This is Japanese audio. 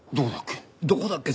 どこだっけ？